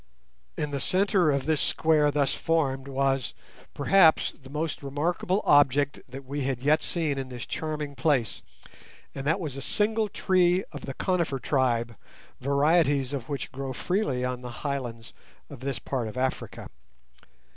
In the centre of this square thus formed was, perhaps, the most remarkable object that we had yet seen in this charming place, and that was a single tree of the conifer tribe, varieties of which grow freely on the highlands of this part of Africa.